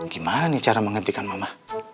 gimana nih cara menghentikan mama